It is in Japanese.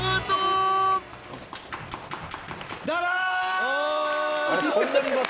どうも。